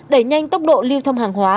đẩy nhanh tốc độ lưu thông hàng hóa